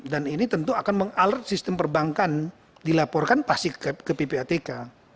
dan ini tentu akan mengalert sistem perbankan dilaporkan pasik ke ppatk